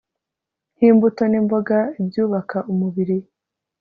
nk'imbuto n'imboga, ibyubaka umubiri